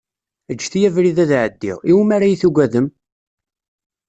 Ğǧet-iyi abrid ad ɛeddiɣ, iwumi ara yi-tugadem?